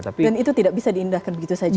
dan itu tidak bisa diindahkan begitu saja ya